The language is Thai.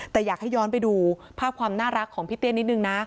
แต่อยากให้ย้อนไปดูภาพความน่ารักของพี่เตี้ยนิดนึงนะ